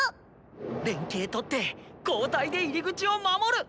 連携とって交代で入り口を守る！